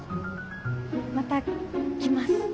また来ます。